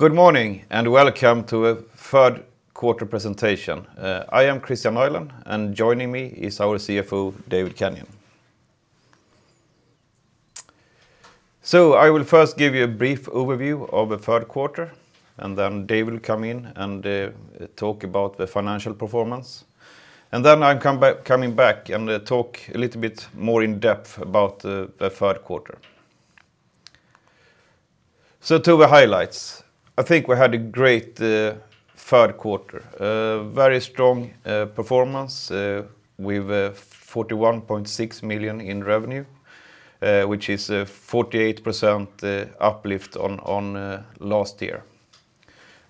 Good morning and welcome to a third quarter presentation. I am Kristian Nylén, and joining me is our CFO, David Kenyon. I will first give you a brief overview of the third quarter, and then David will come in and talk about the financial performance. I'm coming back and talk a little bit more in depth about the third quarter. To the highlights. I think we had a great third quarter. A very strong performance with 41.6 million in revenue, which is a 48% uplift on last year.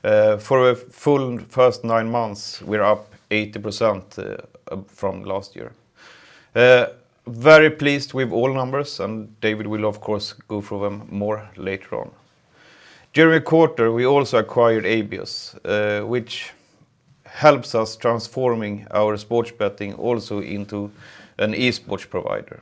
For the first nine months, we're up 80% from last year. Very pleased with all numbers, and David will of course go through them more later on. During the quarter, we also acquired Abios, which helps us transforming our sports betting also into an esports provider.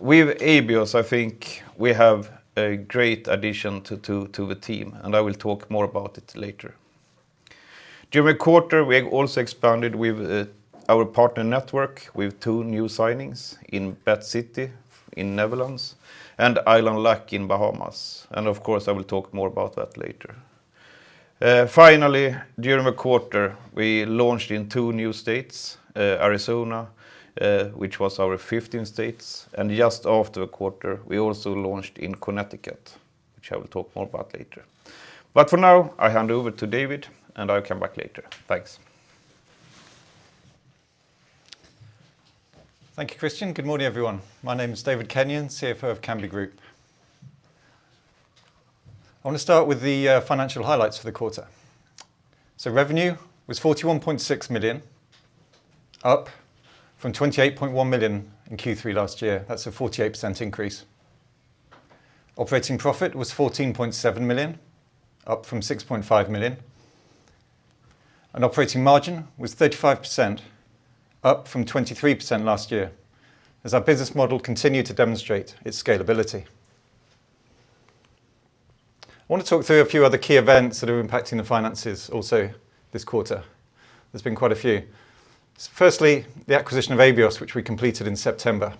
With Abios, I think we have a great addition to the team, and I will talk more about it later. During the quarter, we also expanded with our partner network with two new signings in BetCity in Netherlands and Island Luck in Bahamas. Of course, I will talk more about that later. Finally, during the quarter, we launched in two new states, Arizona, which was our 15th state, and just after the quarter, we also launched in Connecticut, which I will talk more about later. For now, I hand over to David, and I'll come back later. Thanks. Thank you, Kristian. Good morning, everyone. My name is David Kenyon, CFO of Kambi Group. I want to start with the financial highlights for the quarter. Revenue was 41.6 million, up from 28.1 million in Q3 last year. That's a 48% increase. Operating profit was 14.7 million, up from 6.5 million. Operating margin was 35%, up from 23% last year, as our business model continued to demonstrate its scalability. I want to talk through a few other key events that are impacting the finances also this quarter. There's been quite a few. Firstly, the acquisition of Abios, which we completed in September.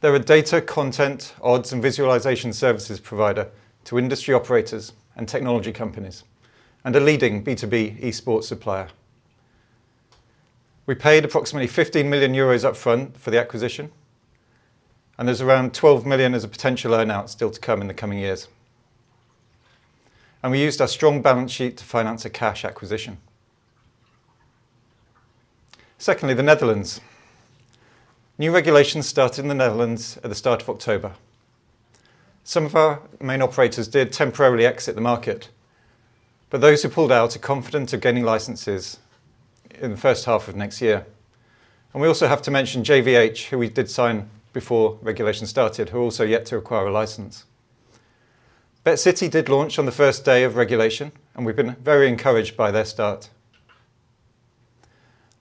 They're a data, content, odds, and visualization services provider to industry operators and technology companies, and a leading B2B esports supplier. We paid approximately 15 million euros up front for the acquisition, and there's around 12 million as a potential earn-out still to come in the coming years. We used our strong balance sheet to finance a cash acquisition. Secondly, new regulations started in the Netherlands at the start of October. Some of our main operators did temporarily exit the market, but those who pulled out are confident of gaining licenses in the first half of next year. We also have to mention JVH, who we did sign before regulation started, who are also yet to acquire a license. BetCity did launch on the first day of regulation, and we've been very encouraged by their start.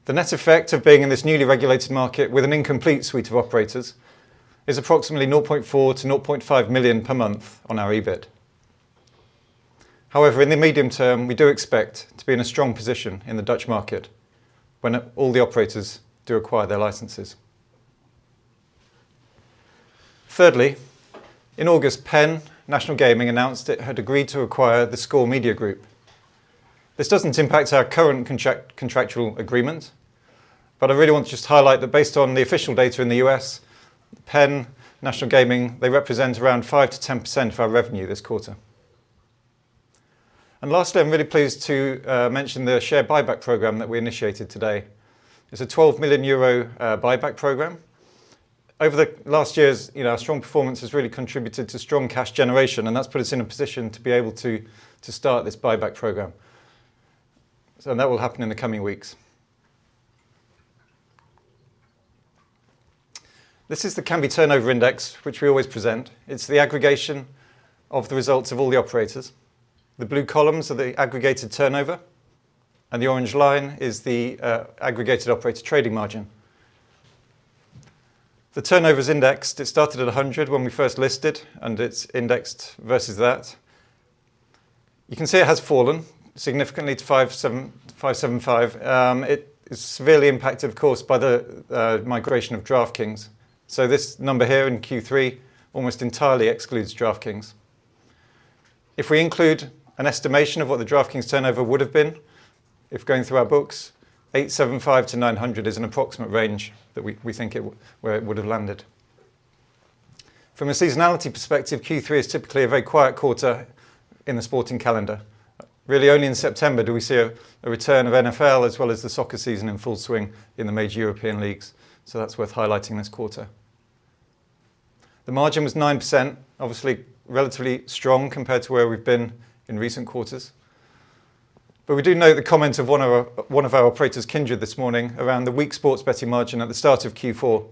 The net effect of being in this newly regulated market with an incomplete suite of operators is approximately 0.4 million-0.5 million per month on our EBIT. However, in the medium term, we do expect to be in a strong position in the Dutch market when all the operators do acquire their licenses. Thirdly, in August, Penn National Gaming announced it had agreed to acquire The Score Media and Gaming. This doesn't impact our current contractual agreement, but I really want to just highlight that based on the official data in the U.S., Penn National Gaming, they represent around 5%-10% of our revenue this quarter. Lastly, I'm really pleased to mention the share buyback program that we initiated today. It's a 12 million euro buyback program. Over the last years, you know, our strong performance has really contributed to strong cash generation, and that's put us in a position to be able to start this buyback program. That will happen in the coming weeks. This is the Kambi Turnover Index, which we always present. It's the aggregation of the results of all the operators. The blue columns are the aggregated turnover, and the orange line is the aggregated operator trading margin. The turnover's indexed. It started at 100 when we first listed, and it's indexed versus that. You can see it has fallen significantly to 575. It is severely impacted, of course, by the migration of DraftKings. This number here in Q3 almost entirely excludes DraftKings. If we include an estimation of what the DraftKings turnover would have been if going through our books, 875-900 is an approximate range that we think where it would have landed. From a seasonality perspective, Q3 is typically a very quiet quarter in the sporting calendar. Really only in September do we see a return of NFL as well as the soccer season in full swing in the major European leagues. That's worth highlighting this quarter. The margin was 9%, obviously relatively strong compared to where we've been in recent quarters. We do note the comment of one of our operators, Kindred, this morning around the weak sports betting margin at the start of Q4.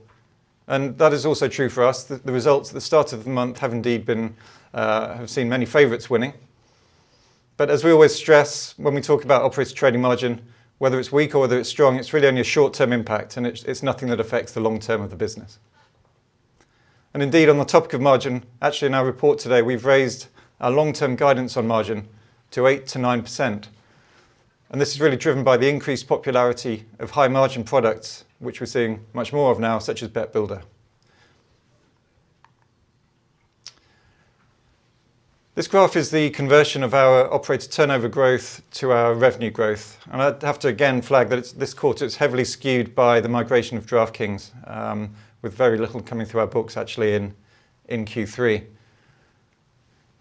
That is also true for us. The results at the start of the month have seen many favorites winning. As we always stress when we talk about operator trading margin, whether it's weak or whether it's strong, it's really only a short-term impact, and it's nothing that affects the long term of the business. Indeed, on the topic of margin, actually in our report today, we've raised our long-term guidance on margin to 8%-9%, and this is really driven by the increased popularity of high-margin products which we're seeing much more of now, such as Bet Builder. This graph is the conversion of our operator turnover growth to our revenue growth. I'd have to again flag that it's this quarter it's heavily skewed by the migration of DraftKings, with very little coming through our books actually in Q3.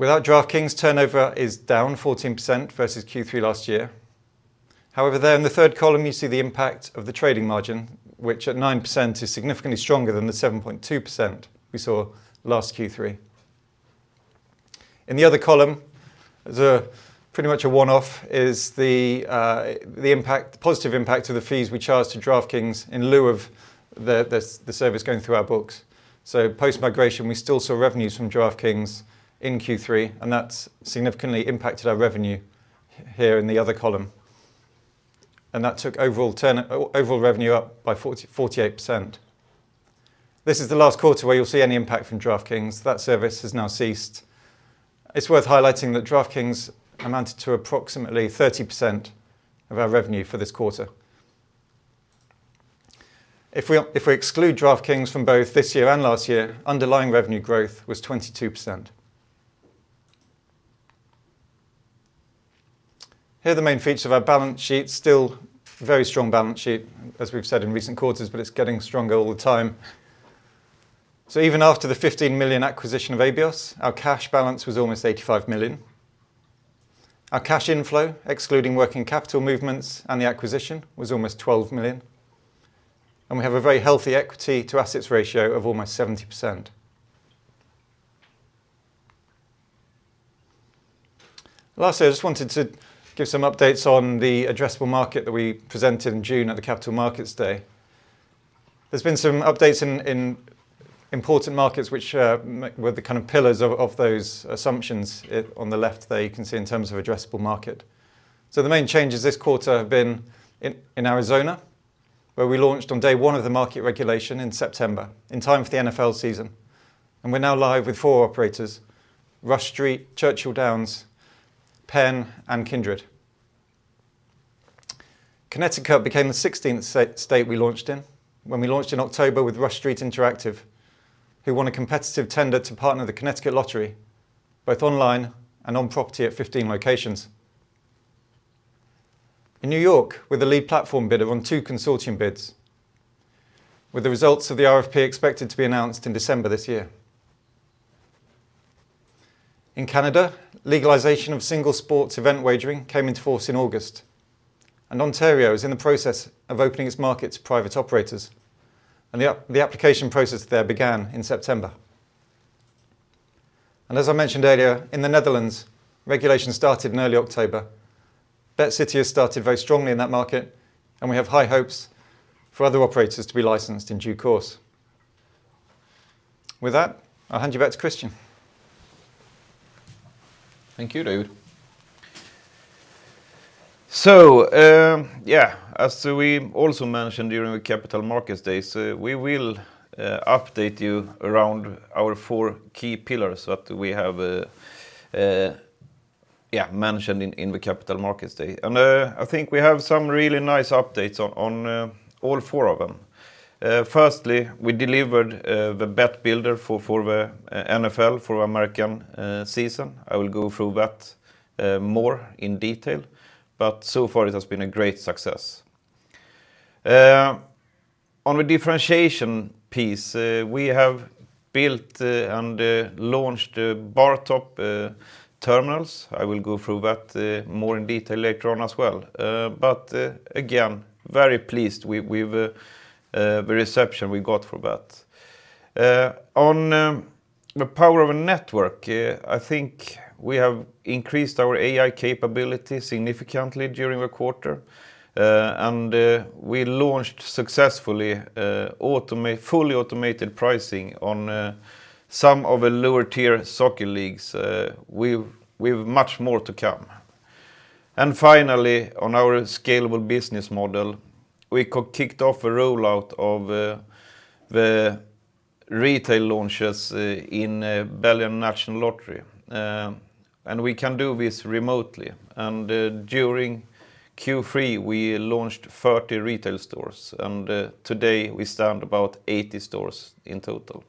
Without DraftKings, turnover is down 14% versus Q3 last year. However, there in the third column you see the impact of the trading margin, which at 9% is significantly stronger than the 7.2% we saw last Q3. In the other column, there's a pretty much a one-off is the impact, the positive impact of the fees we charged to DraftKings in lieu of the service going through our books. Post-migration, we still saw revenues from DraftKings in Q3, and that's significantly impacted our revenue here in the other column. That took overall revenue up by 48%. This is the last quarter where you'll see any impact from DraftKings. That service has now ceased. It's worth highlighting that DraftKings amounted to approximately 30% of our revenue for this quarter. If we exclude DraftKings from both this year and last year, underlying revenue growth was 22%. Here are the main features of our balance sheet. Still very strong balance sheet, as we've said in recent quarters, but it's getting stronger all the time. Even after the 15 million acquisition of Abios, our cash balance was almost 85 million. Our cash inflow, excluding working capital movements and the acquisition, was almost 12 million. We have a very healthy equity to assets ratio of almost 70%. Lastly, I just wanted to give some updates on the addressable market that we presented in June at the Capital Markets Day. There has been some updates in important markets which were the kind of pillars of those assumptions. On the left there you can see in terms of addressable market. The main changes this quarter have been in Arizona, where we launched on day one of the market regulation in September, in time for the NFL season. We're now live with four operators, Rush Street, Churchill Downs, Penn, and Kindred. Connecticut became the 16th state we launched in when we launched in October with Rush Street Interactive, who won a competitive tender to partner the Connecticut Lottery both online and on property at 15 locations. In New York, we're the lead platform bidder on two consortium bids, with the results of the RFP expected to be announced in December this year. In Canada, legalization of single sports event wagering came into force in August, and Ontario is in the process of opening its market to private operators, and the application process there began in September. As I mentioned earlier, in the Netherlands, regulation started in early October. BetCity has started very strongly in that market, and we have high hopes for other operators to be licensed in due course. With that, I'll hand you back to Kristian. Thank you, David. As we also mentioned during the Capital Markets Day, we will update you around our four key pillars that we have mentioned in the Capital Markets Day. I think we have some really nice updates on all four of them. Firstly, we delivered the Bet Builder for the NFL for American season. I will go through that more in detail, but so far it has been a great success. On the differentiation piece, we have built and launched the Bar Top terminals. I will go through that more in detail later on as well. Again, very pleased with the reception we got for that. On the power of a network, I think we have increased our AI capability significantly during the quarter. We launched successfully fully automated pricing on some of the lower-tier soccer leagues with much more to come. Finally, on our scalable business model, we kicked off a rollout of the retail launches in Belgian National Lottery. We can do this remotely. During Q3, we launched 40 retail stores, and today we stand about 80 stores in total.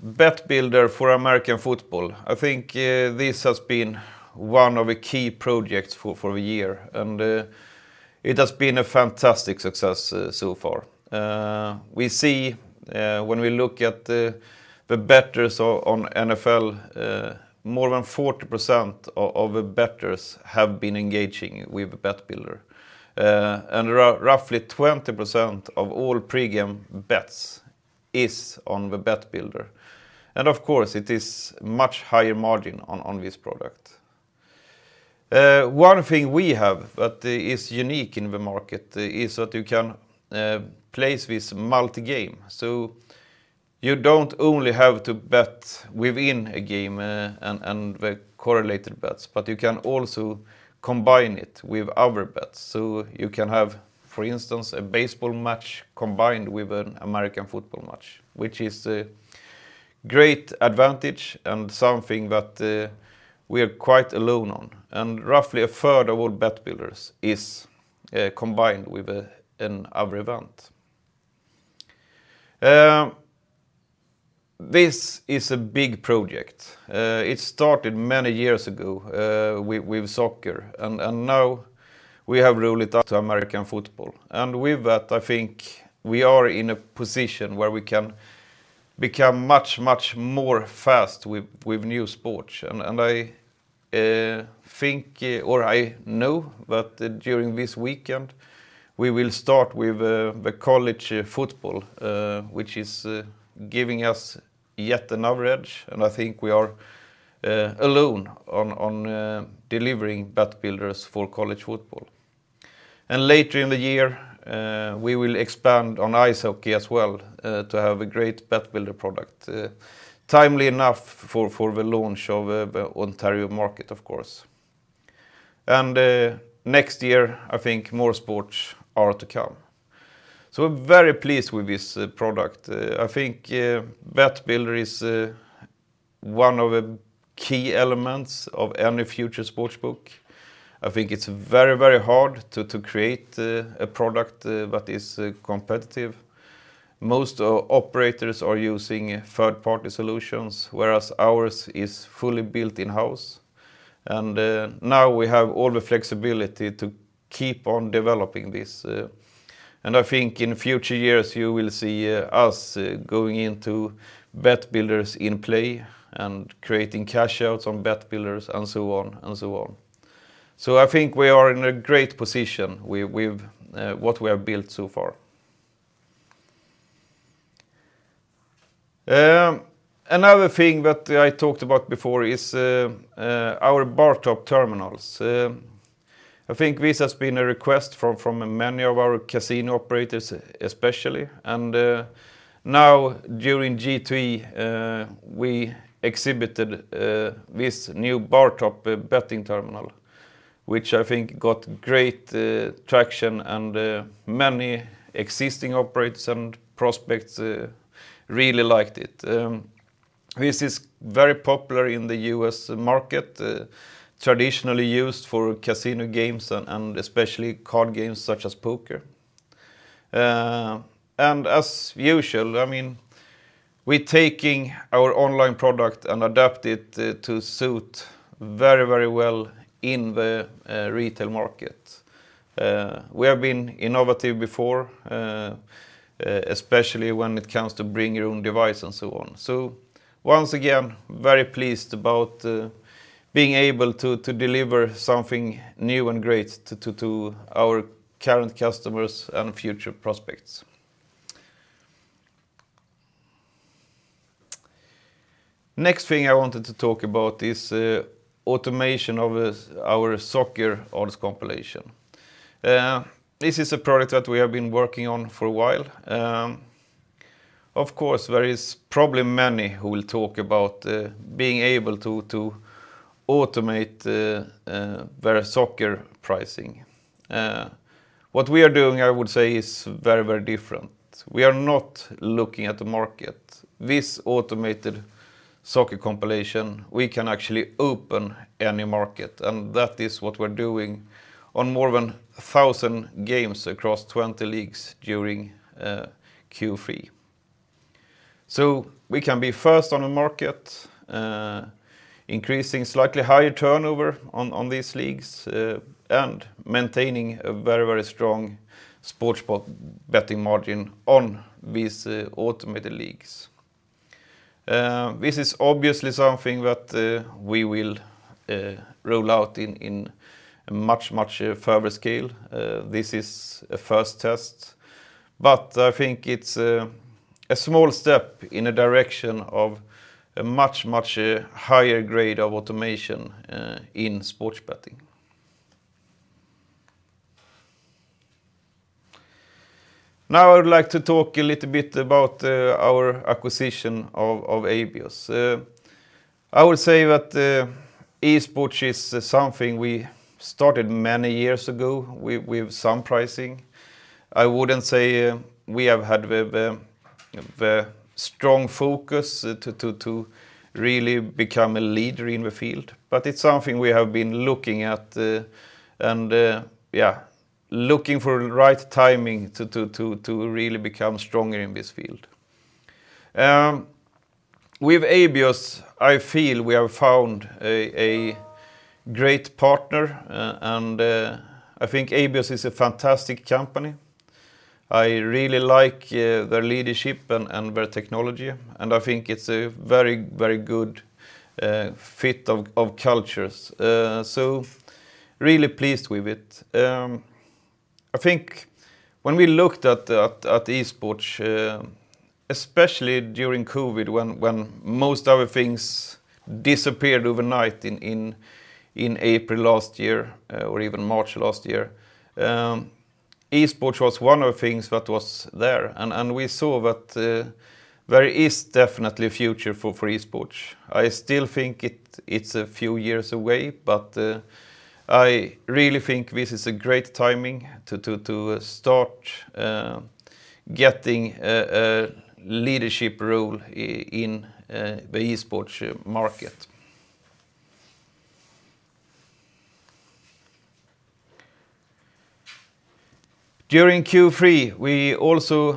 Bet Builder for American football, I think this has been one of the key projects for a year, and it has been a fantastic success so far. We see when we look at the bettors on NFL, more than 40% of the bettors have been engaging with Bet Builder. Roughly 20% of all pre-game bets is on the Bet Builder. Of course, it is much higher margin on this product. One thing we have that is unique in the market is that you can place this multi-game. You don't only have to bet within a game and the correlated bets, but you can also combine it with other bets. You can have, for instance, a baseball match combined with an American football match, which is a great advantage and something that we are quite alone on. Roughly a third of all bet builders is combined with another event. This is a big project. It started many years ago, with soccer, and now we have rolled it out to American football. With that, I think we are in a position where we can become much more fast with new sports. I think, or I know that during this weekend we will start with the college football, which is giving us yet another edge. I think we are alone on delivering Bet Builders for college football. Later in the year, we will expand on ice hockey as well, to have a great Bet Builder product, timely enough for the launch of the Ontario market, of course. Next year, I think more sports are to come. We're very pleased with this product. I think Bet Builder is one of the key elements of any future sportsbook. I think it's very, very hard to create a product that is competitive. Most operators are using third-party solutions, whereas ours is fully built in-house. Now we have all the flexibility to keep on developing this. I think in future years you will see us going into Bet Builders in play and creating cash outs on Bet Builders and so on and so on. I think we are in a great position with what we have built so far. Another thing that I talked about before is our Bar Top terminals. I think this has been a request from many of our casino operators especially. Now during G2E, we exhibited this new Bar Top betting terminal, which I think got great traction, and many existing operators and prospects really liked it. This is very popular in the US market, traditionally used for casino games and especially card games such as poker. As usual, I mean, we taking our online product and adapt it to suit very well in the retail market. We have been innovative before, especially when it comes to bring your own device and so on. Once again, very pleased about being able to deliver something new and great to our current customers and future prospects. Next thing I wanted to talk about is automation of our soccer odds compilation. This is a product that we have been working on for a while. Of course, there is probably many who will talk about being able to automate their soccer pricing. What we are doing, I would say, is very, very different. We are not looking at the market. This automated soccer compilation, we can actually open any market, and that is what we're doing on more than 1,000 games across 20 leagues during Q3. We can be first on the market, increasing slightly higher turnover on these leagues, and maintaining a very, very strong sportsbook betting margin on these automated leagues. This is obviously something that we will roll out in a much, much further scale. This is a first test, but I think it's a small step in a direction of a much higher grade of automation in sports betting. Now I would like to talk a little bit about our acquisition of Abios. I would say that esports is something we started many years ago with some pricing. I wouldn't say we have had the strong focus to really become a leader in the field. It's something we have been looking at, and yeah, looking for the right timing to really become stronger in this field. With Abios, I feel we have found a great partner, and I think Abios is a fantastic company. I really like their leadership and their technology, and I think it's a very good fit of cultures. Really pleased with it. I think when we looked at esports, especially during COVID when most other things disappeared overnight in April last year or even March last year, esports was one of the things that was there. We saw that there is definitely a future for esports. I still think it's a few years away, but I really think this is a great timing to start getting a leadership role in the esports market. During Q3, we also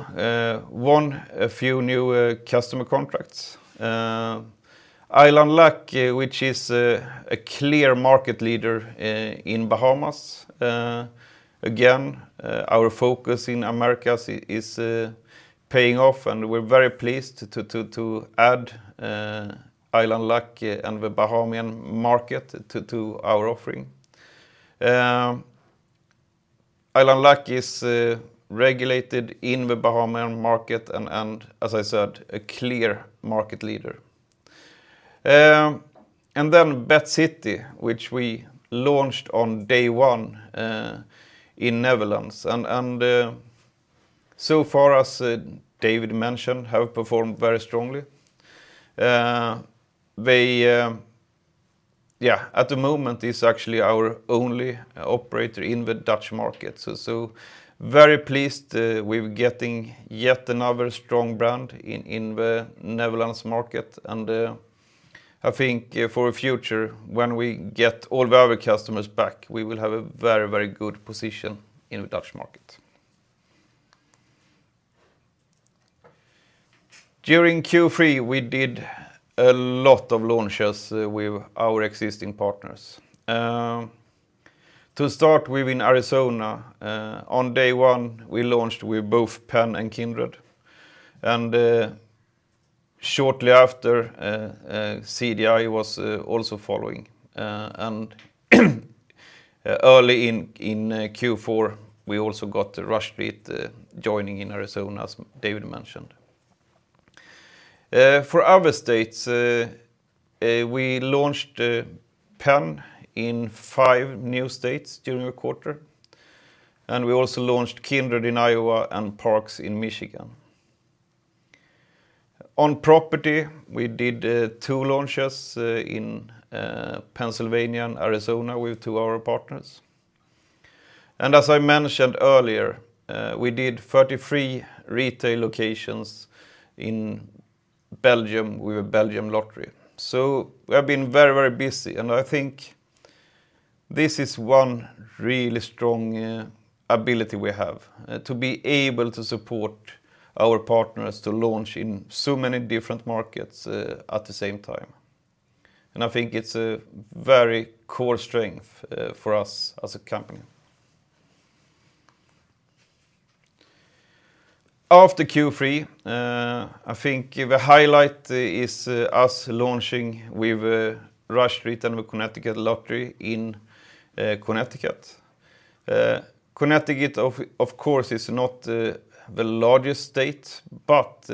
won a few new customer contracts. Island Luck, which is a clear market leader in the Bahamas. Again, our focus in Americas is paying off, and we're very pleased to add Island Luck and the Bahamian market to our offering. Island Luck is regulated in the Bahamian market and as I said, a clear market leader. BetCity, which we launched on day one in Netherlands and so far as David mentioned, have performed very strongly. At the moment it's actually our only operator in the Dutch market. Very pleased with getting yet another strong brand in the Netherlands market. I think for the future, when we get all the other customers back, we will have a very, very good position in the Dutch market. During Q3, we did a lot of launches with our existing partners. To start with in Arizona, on day one, we launched with both Penn and Kindred, and shortly after, CDI was also following. Early in Q4, we also got Rush Street joining in Arizona, as David mentioned. For other states, we launched Penn in five new states during the quarter, and we also launched Kindred in Iowa and Parx in Michigan. On property, we did two launches in Pennsylvania and Arizona with two of our partners. As I mentioned earlier, we did 33 retail locations in Belgium with the National Lottery. We have been very, very busy, and I think this is one really strong ability we have to be able to support our partners to launch in so many different markets at the same time. I think it's a very core strength for us as a company. After Q3, I think the highlight is us launching with Rush Street Interactive and the Connecticut Lottery in Connecticut. Connecticut of course is not the largest state, but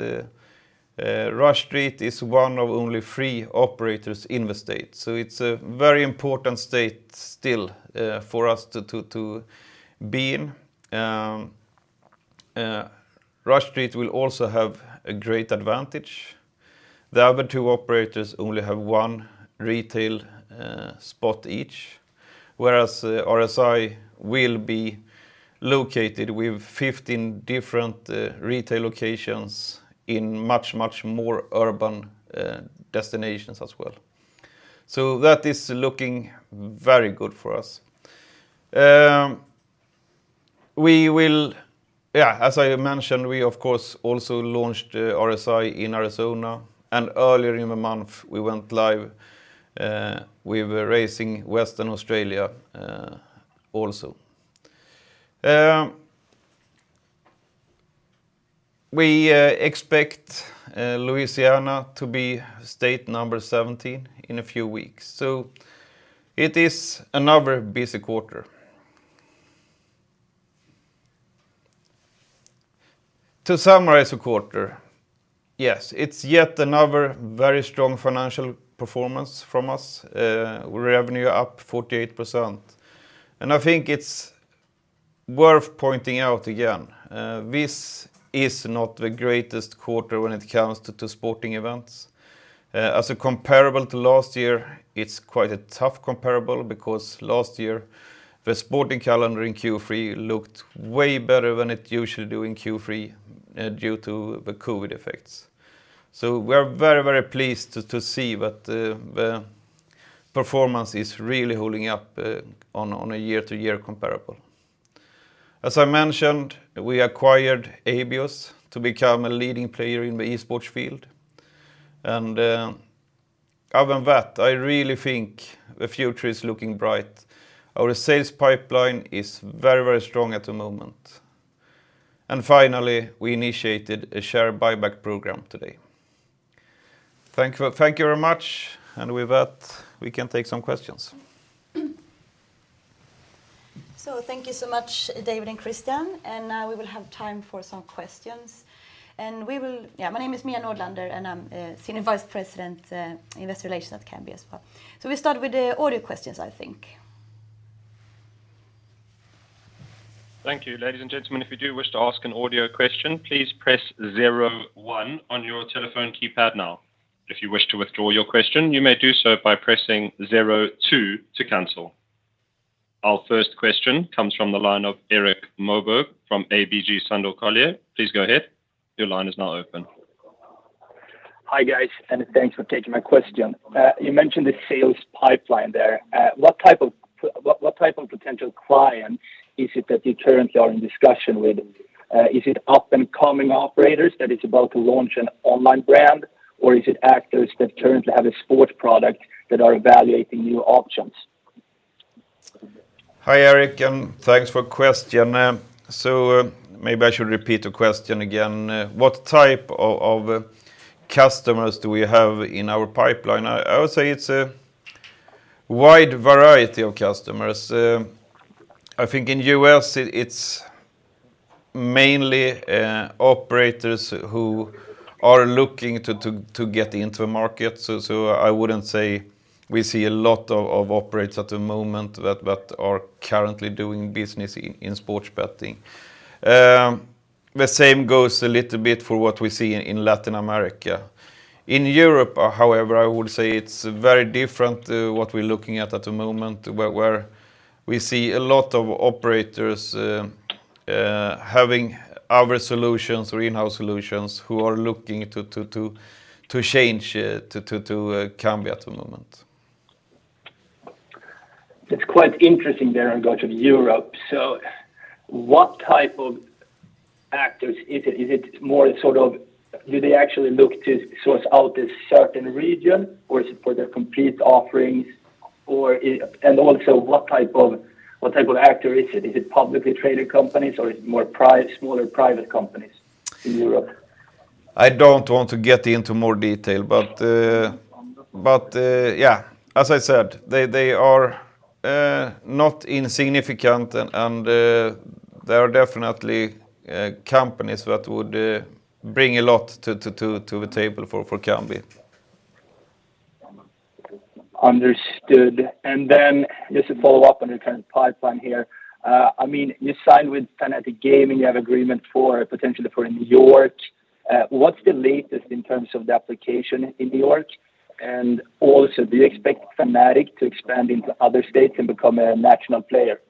Rush Street Interactive is one of only three operators in the state, so it's a very important state still for us to be in. Rush Street Interactive will also have a great advantage. The other two operators only have one retail spot each, whereas RSI will be located with 15 different retail locations in much more urban destinations as well. That is looking very good for us. As I mentioned, we of course also launched RSI in Arizona, and earlier in the month we went live with Racing and Wagering Western Australia also. We expect Louisiana to be state number 17 in a few weeks, so it is another busy quarter. To summarize the quarter, yes, it is yet another very strong financial performance from us. Revenue up 48%. I think it is worth pointing out again, this is not the greatest quarter when it comes to sporting events. As a comparable to last year, it is quite a tough comparable because last year the sporting calendar in Q3 looked way better than it usually do in Q3 due to the COVID effects. We are very pleased to see that the performance is really holding up on a year-to-year comparable. As I mentioned, we acquired Abios to become a leading player in the esports field. Other than that, I really think the future is looking bright. Our sales pipeline is very, very strong at the moment. Finally, we initiated a share buyback program today. Thank you. Thank you very much. With that, we can take some questions. Thank you so much, David and Kristian. Now we will have time for some questions. Yeah, my name is Mia Nordlander, and I'm Senior Vice President, Investor Relations at Kambi as well. We start with the audio questions, I think. Thank you. Ladies and gentlemen, if you do wish to ask an audio question, please press zero one on your telephone keypad now. If you wish to withdraw your question, you may do so by pressing zero two to cancel. Our first question comes from the line of Erik Moberg from ABG Sundal Collier. Please go ahead. Your line is now open. Hi, guys, and thanks for taking my question. You mentioned the sales pipeline there. What type of potential client is it that you currently are in discussion with? Is it up-and-coming operators that is about to launch an online brand, or is it actors that currently have a sports product that are evaluating new options? Hi, Erik, and thanks for question. Maybe I should repeat the question again. What type of customers do we have in our pipeline? I would say it's a wide variety of customers. I think in U.S., it's mainly operators who are looking to get into a market. I wouldn't say we see a lot of operators at the moment that are currently doing business in sports betting. The same goes a little bit for what we see in Latin America. In Europe, however, I would say it's very different to what we're looking at at the moment, where we see a lot of operators having our solutions or in-house solutions who are looking to change to Kambi at the moment. It's quite interesting, they're going to Europe. What type of actors is it? Is it more sort of, do they actually look to source out a certain region, or is it for their complete offerings? What type of actor is it? Is it publicly traded companies or is it more smaller private companies in Europe? I don't want to get into more detail. Yeah, as I said, they are not insignificant and they are definitely companies that would bring a lot to the table for Kambi. Understood. Just to follow up on the current pipeline here, I mean, you signed with Fanatics Betting and Gaming. You have agreement for potentially for New York. What's the latest in terms of the application in New York? Do you expect Fanatics Betting and Gaming to expand into other states and become a national player?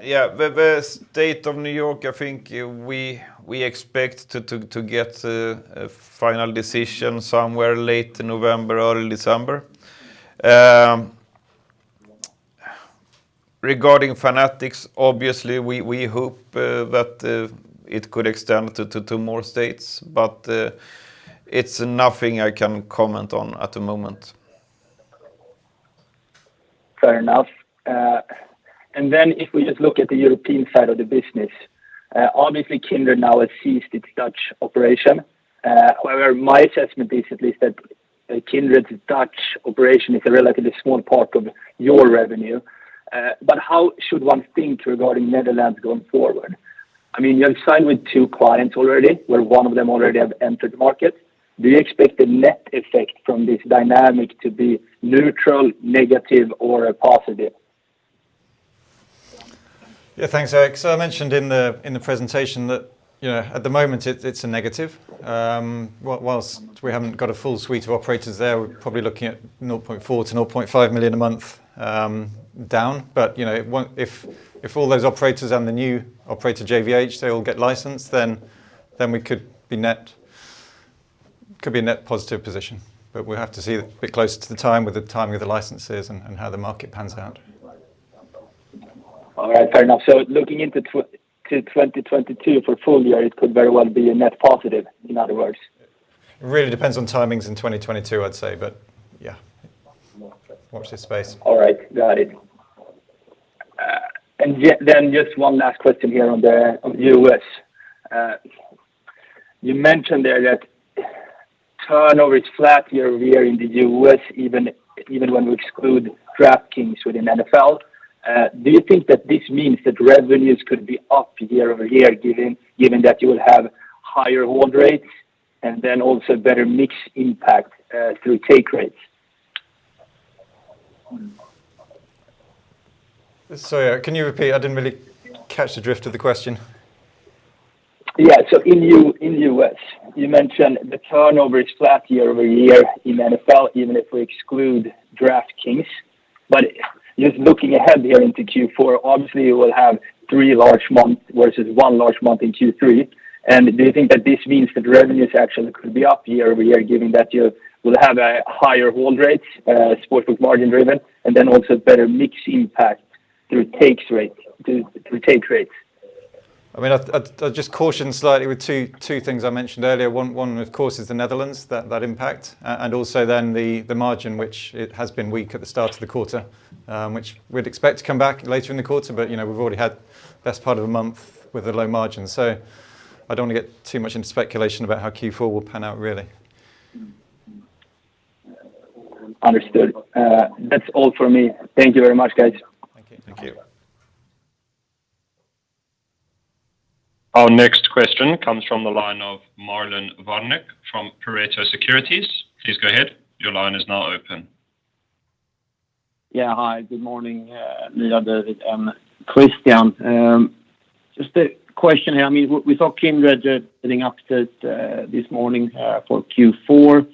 Yeah. The State of New York, I think we expect to get a final decision somewhere late November, early December. Regarding Fanatics, obviously, we hope that it could extend to more states, but it's nothing I can comment on at the moment. Fair enough. If we just look at the European side of the business, obviously Kindred now has ceased its Dutch operation. However, my assessment is at least that Kindred's Dutch operation is a relatively small part of your revenue. How should one think regarding Netherlands going forward? I mean, you have signed with two clients already, where one of them already have entered the market. Do you expect a net effect from this dynamic to be neutral, negative, or positive? Yeah, thanks, Erik. I mentioned in the presentation that, you know, at the moment it's a negative. While we haven't got a full suite of operators there, we're probably looking at 0.4 million-0.5 million a month down. You know, if all those operators and the new operator, JVH, they all get licensed, then we could be a net positive position. We'll have to see a bit closer to the time with the timing of the licenses and how the market pans out. All right. Fair enough. Looking into 2022 for full year, it could very well be a net positive, in other words. It really depends on timings in 2022, I'd say, but yeah. Watch this space. All right. Got it. Just one last question here on the U.S. You mentioned there that turnover is flat year-over-year in the U.S., even when we exclude DraftKings within NFL. Do you think that this means that revenues could be up year-over-year, given that you will have higher hold rates and then also better mix impact through take rates? Sorry, can you repeat? I didn't really catch the drift of the question. Yeah. In the U.S., you mentioned the turnover is flat year-over-year in NFL, even if we exclude DraftKings. Just looking ahead here into Q4, obviously you will have three large months versus one large month in Q3. Do you think that this means that revenues actually could be up year-over-year, given that you will have higher hold rates, sportsbook margin driven, and then also better mix impact through take rates? I mean, I'd just caution slightly with two things I mentioned earlier. One of course is the Netherlands, that impact, and also then the margin which it has been weak at the start of the quarter, which we'd expect to come back later in the quarter. You know, we've already had best part of a month with a low margin. I don't want to get too much into speculation about how Q4 will pan out really. Understood. That's all for me. Thank you very much, guys. Thank you. Thank you. Our next question comes from the line of Marlon Värnik from Pareto Securities. Please go ahead. Your line is now open. Hi, good morning, Mia, David, and Kristian. Just a question here. I mean, we saw Kindred getting upset this morning for Q4,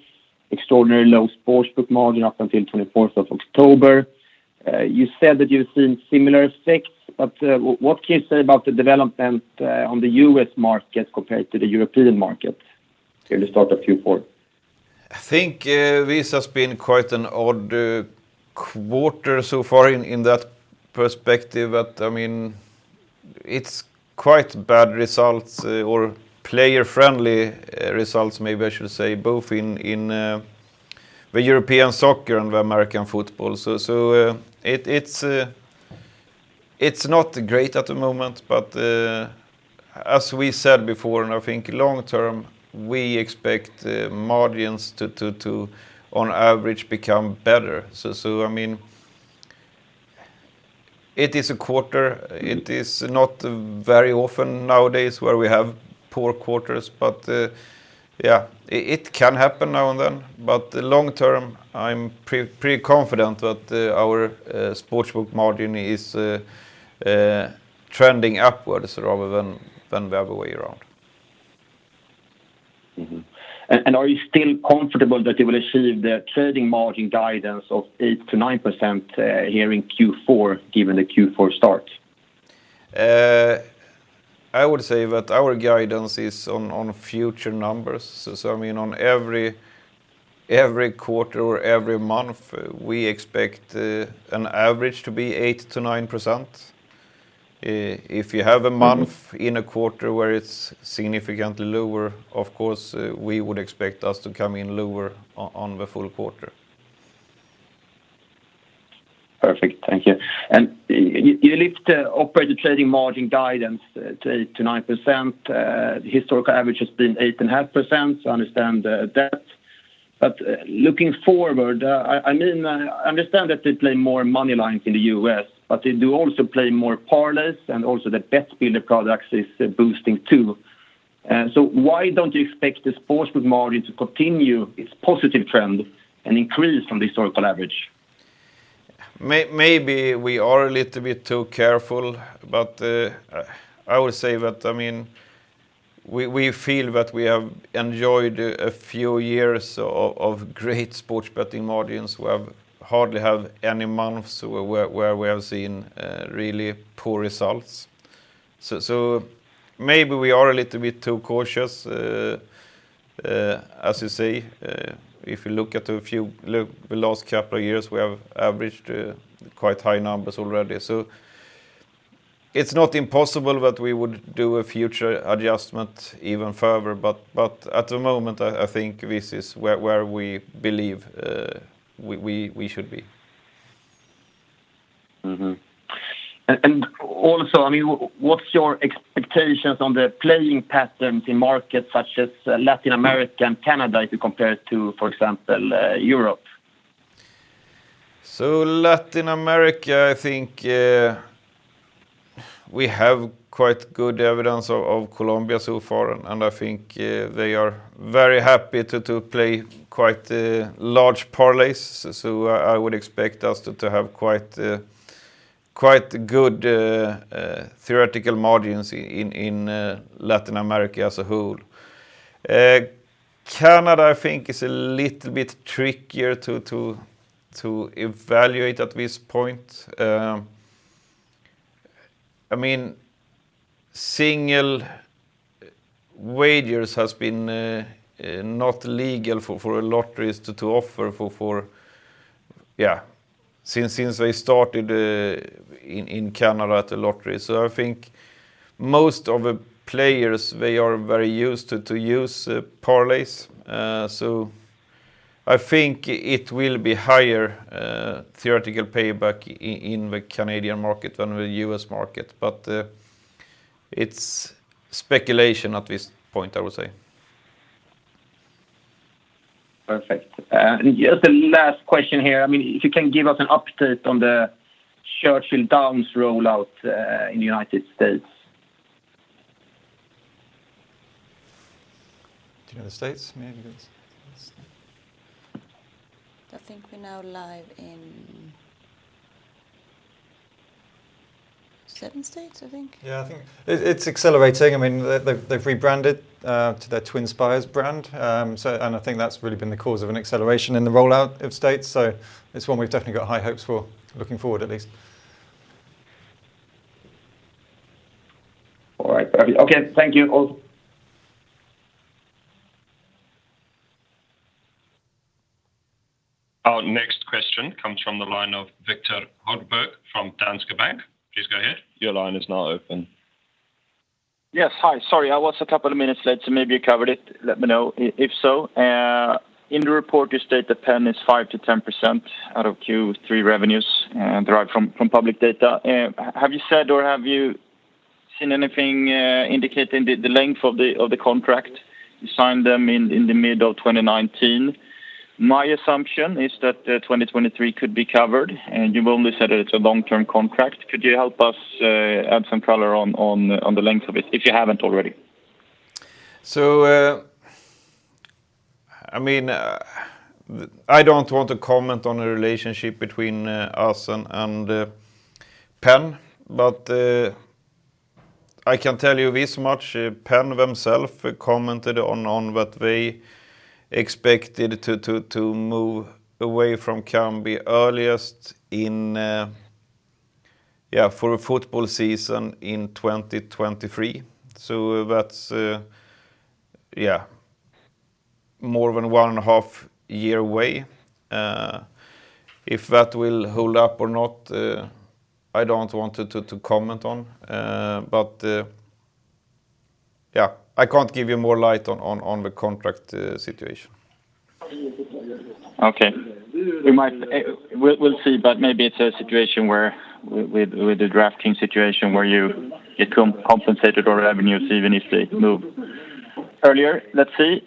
extraordinarily low sportsbook margin up until twenty-fourth of October. You said that you've seen similar effects, but what can you say about the development on the US market compared to the European market during the start of Q4? I think this has been quite an odd quarter so far in that perspective. I mean, it's quite bad results or player-friendly results, maybe I should say, both in the European soccer and the American football. It's not great at the moment, but as we said before, and I think long term, we expect the margins to, on average, become better. I mean, it is a quarter. It is not very often nowadays where we have poor quarters, but yeah, it can happen now and then. Long term, I'm pretty confident that our sportsbook margin is trending upwards rather than the other way around. Are you still comfortable that you will achieve the trading margin guidance of 8%-9% here in Q4, given the Q4 start? I would say that our guidance is on future numbers. I mean on every quarter or every month, we expect an average to be 8%-9%. If you have a month- Mm-hmm In a quarter where it's significantly lower, of course, we would expect us to come in lower on the full quarter. Perfect. Thank you. You lift the operator trading margin guidance to 8%-9%. Historical average has been 8.5%, so I understand that. Looking forward, I mean, I understand that they play more money lines in the U.S., but they do also play more parlays, and also the Bet Builder products is boosting too. Why don't you expect the sportsbook margin to continue its positive trend and increase from the historical average? Maybe we are a little bit too careful, but I would say that, I mean, we feel that we have enjoyed a few years of great sports betting margins. We hardly have any months where we have seen really poor results. Maybe we are a little bit too cautious. As you say, if you look at the last couple of years, we have averaged quite high numbers already. It's not impossible that we would do a future adjustment even further, but at the moment, I think this is where we believe we should be. Also, I mean, what's your expectations on the playing patterns in markets such as Latin America and Canada to compare to, for example, Europe? Latin America, I think, we have quite good evidence of Colombia so far, and I think, they are very happy to play quite large parlays. I would expect us to have quite good theoretical margins in Latin America as a whole. Canada, I think is a little bit trickier to evaluate at this point. I mean, single wagers has been not legal for lotteries to offer since they started in Canada at the lottery. I think most of the players, they are very used to use parlays. I think it will be higher theoretical payback in the Canadian market than the US market. It's speculation at this point, I would say. Perfect. Just the last question here. I mean, if you can give us an update on the Churchill Downs rollout in the United States. Do you know the states maybe? I think we're now live in seven states, I think. Yeah, I think it's accelerating. I mean, they've rebranded to their TwinSpires brand. I think that's really been the cause of an acceleration in the rollout of states. It's one we've definitely got high hopes for looking forward, at least. All right. Okay. Thank you all. Our next question comes from the line of Viktor Råd from Danske Bank. Please go ahead. Your line is now open. Yes. Hi. Sorry, I was a couple of minutes late, so maybe you covered it. Let me know. If so, in the report, you state that PENN is 5%-10% of Q3 revenues, derived from public data. Have you said or have you seen anything indicating the length of the contract? You signed them in the middle of 2019. My assumption is that 2023 could be covered, and you've only said it's a long-term contract. Could you help us add some color on the length of it, if you haven't already? I mean, I don't want to comment on the relationship between us and Penn. I can tell you this much, Penn themselves commented on what they expected to move away from Kambi earliest for a football season in 2023. That's more than one and a half years away. If that will hold up or not, I don't want to comment on. I can't give you more light on the contract situation. Okay. We might. We'll see, but maybe it's a situation where with the DraftKings situation where you get compensated or revenues even if they move earlier. Let's see.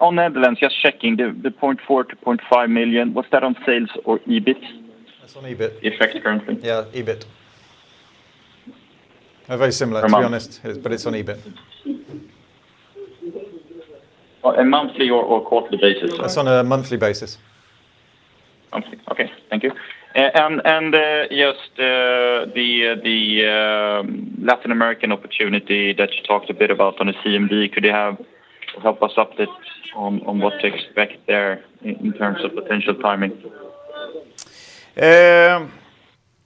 On Netherlands, just checking, the 0.4 million-0.5 million, was that on sales or EBIT? That's on EBIT. Effect currently? Yeah, EBIT. They're very similar. Per month. To be honest. It's on EBIT. On a monthly or quarterly basis? It's on a monthly basis. Monthly, okay. Thank you. Just the Latin American opportunity that you talked a bit about on the CMD, could you help us update on what to expect there in terms of potential timing?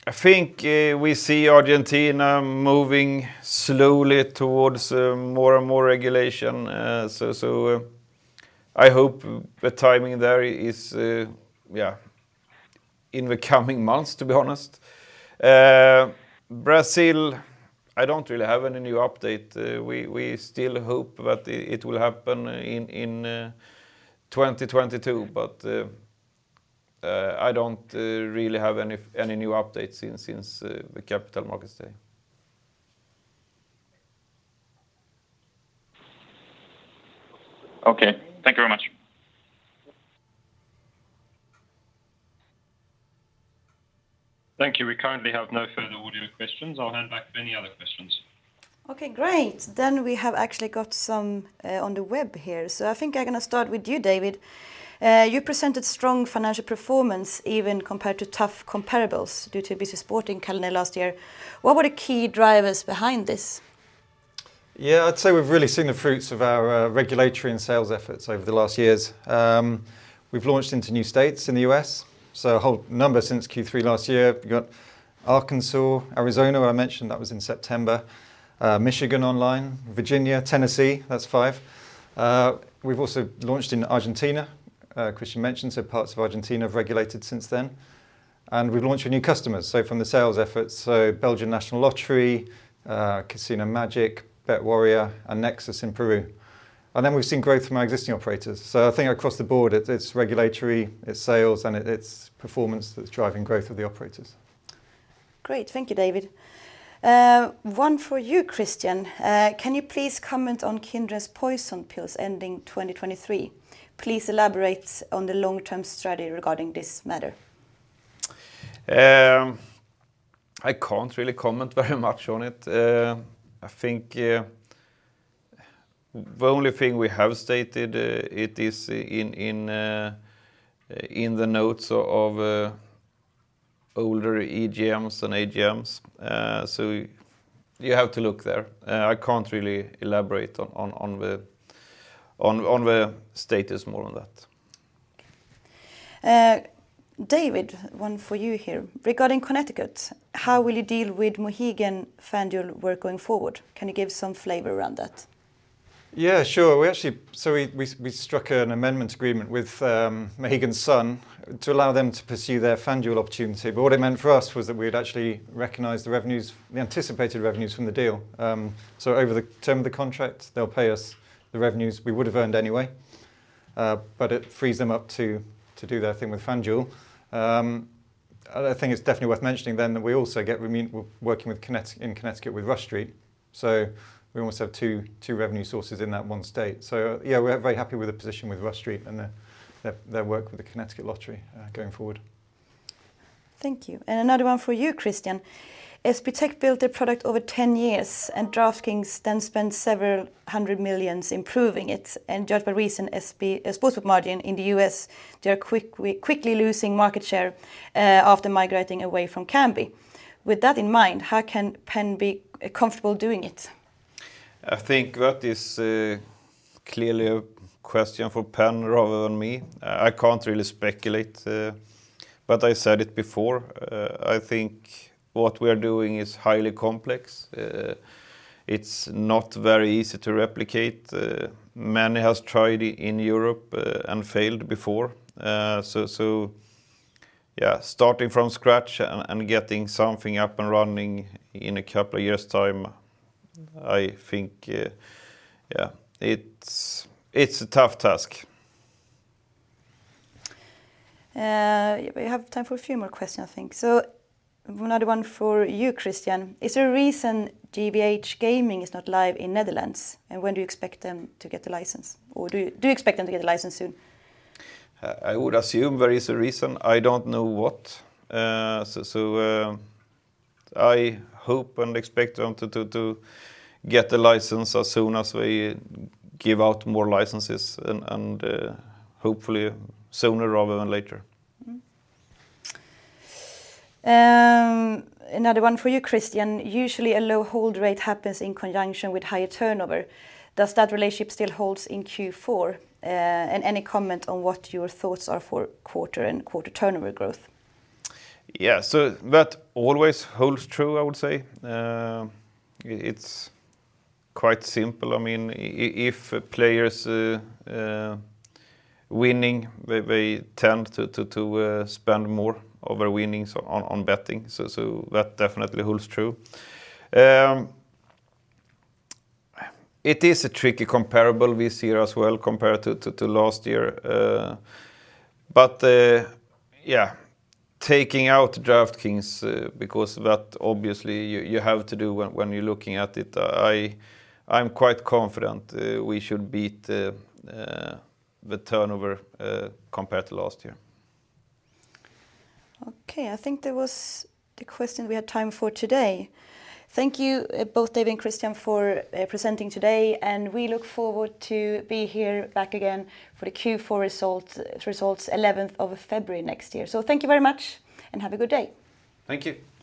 I think we see Argentina moving slowly towards more and more regulation. I hope the timing there is in the coming months, to be honest. Brazil, I don't really have any new update. We still hope that it will happen in 2022, but I don't really have any new updates since the Capital Markets Day. Okay. Thank you very much. Thank you. We currently have no further audio questions. I'll hand back for any other questions. Okay, great. We have actually got some on the web here. I think I'm gonna start with you, David. You presented strong financial performance even compared to tough comparables due to busy sporting calendar last year. What were the key drivers behind this? Yeah. I'd say we've really seen the fruits of our regulatory and sales efforts over the last years. We've launched into new states in the U.S., so a whole number since Q3 last year. We've got Arkansas, Arizona, where I mentioned that was in September, Michigan online, Virginia, Tennessee. That's five. We've also launched in Argentina, Kristian mentioned, so parts of Argentina have regulated since then. We've launched with new customers, so from the sales efforts, Belgian National Lottery, Casino Magic, BetWarrior, and Nexus in Peru. Then we've seen growth from our existing operators. I think across the board, it's regulatory, it's sales, and it's performance that's driving growth of the operators. Great. Thank you, David. One for you, Kristian. Can you please comment on Kindred's poison pills ending 2023? Please elaborate on the long-term strategy regarding this matter. I can't really comment very much on it. I think the only thing we have stated is in the notes of older EGM and AGM. So you have to look there. I can't really elaborate on the status more on that. David, one for you here. Regarding Connecticut, how will you deal with Mohegan FanDuel work going forward? Can you give some flavor around that? Yeah, sure. We actually struck an amendment agreement with Mohegan Sun to allow them to pursue their FanDuel opportunity. What it meant for us was that we'd actually recognized the revenues, the anticipated revenues from the deal. Over the term of the contract, they'll pay us the revenues we would have earned anyway, but it frees them up to do their thing with FanDuel. Another thing that's definitely worth mentioning then that we're working with Rush Street in Connecticut, so we almost have two revenue sources in that one state. Yeah, we're very happy with the position with Rush Street and their work with the Connecticut Lottery going forward. Thank you. Another one for you, Kristian. SBTech built a product over 10 years, and DraftKings then spent several hundred million improving it. Just for recent SB, Sportsbook margin in the U.S., they are quickly losing market share after migrating away from Kambi. With that in mind, how can Penn be comfortable doing it? I think that is clearly a question for PENN rather than me. I can't really speculate. I said it before, I think what we are doing is highly complex. It's not very easy to replicate. Many have tried in Europe, and failed before. Yeah, starting from scratch and getting something up and running in a couple of years' time, I think yeah, it's a tough task. We have time for a few more questions, I think. Another one for you, Kristian. Is there a reason JVH Gaming is not live in the Netherlands? When do you expect them to get the license? Or do you expect them to get the license soon? I would assume there is a reason. I don't know what. I hope and expect them to get the license as soon as we give out more licenses and hopefully sooner rather than later. Another one for you, Kristian. Usually, a low hold rate happens in conjunction with higher turnover. Does that relationship still holds in Q4? Any comment on what your thoughts are for quarter and quarter turnover growth? Yeah. That always holds true, I would say. It's quite simple. I mean, if players winning, they tend to spend more of their winnings on betting. That definitely holds true. It is a tricky comparable this year as well compared to last year. Taking out DraftKings because that obviously you have to do when you're looking at it, I'm quite confident we should beat the turnover compared to last year. Okay. I think that was the question we had time for today. Thank you both David and Kristian for presenting today, and we look forward to be here back again for the Q4 results eleventh of February next year. Thank you very much and have a good day. Thank you.